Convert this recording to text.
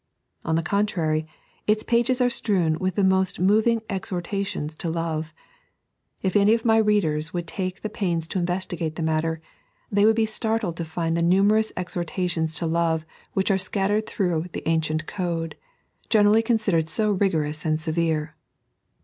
On the contrary, its pages are strewn with the most moving exhortations to Love. If any of my 3.n.iized by Google Gold akd Bboss. 91 readers would take the pains to investigate the matter, they would be startled to find the Dumeroua exhortations to Lore which are scattered through the ancient code — generally considered so rigorous and severe.